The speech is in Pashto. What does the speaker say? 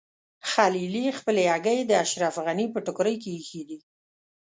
خلیلي خپلې هګۍ د اشرف غني په ټوکرۍ کې ایښي دي.